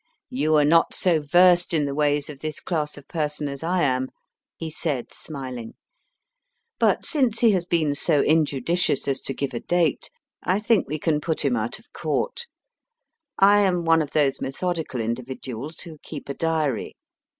You are not so versed in the ways of this class of person as I am, he said, smiling ; but since he has been so in judicious as to give a date, I think we can put him out of court. I am one of those methodical individuals who keep a diary.